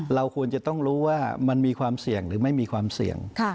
เราควรจะต้องรู้ว่ามันมีความเสี่ยงหรือไม่มีความเสี่ยง